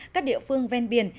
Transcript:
các địa phương ven biển